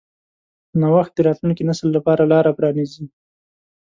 نوښت د راتلونکي نسل لپاره لاره پرانیځي.